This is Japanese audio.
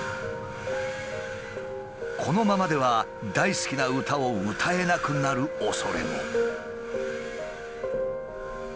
このままでは大好きな歌を歌えなくなるおそれも。